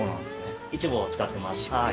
イチボを使ってます。